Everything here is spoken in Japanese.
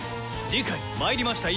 次回「魔入りました！